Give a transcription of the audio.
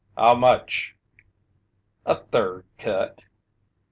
"How much?" "A third cut."